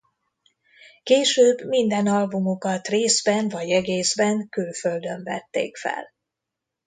Később minden albumukat részben vagy egészben külföldön vették fel.